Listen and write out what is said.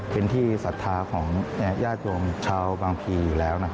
เป็นที่ศรัทธาของญาติโยมชาวบางพีอยู่แล้ว